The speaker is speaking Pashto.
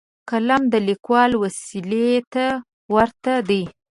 قلم د لیکوال وسلې ته ورته دی